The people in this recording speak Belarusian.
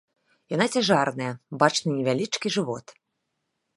Яна цяжарная, бачны невялічкі жывот.